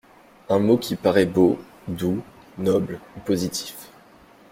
Un mot qui parait beau, doux, noble ou positif.